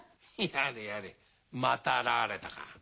やれやれまた現れたか。